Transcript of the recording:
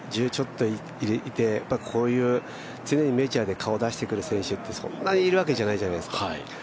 １０位ちょっといて、こういう常にメジャーで顔を出してくる選手ってそんなにいるわけじゃないじゃないですか。